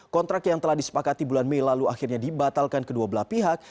kontrak yang telah disepakati bulan mei lalu akhirnya dibatalkan kedua belah pihak